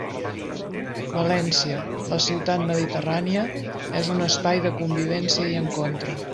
València, la ciutat mediterrània, és un espai de convivència i encontre.